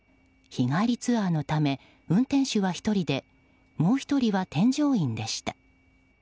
日帰りツアーのため運転手は１人でもう１人は添乗員でした。